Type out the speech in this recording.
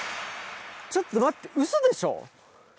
ちょっと待って、うそでしょ。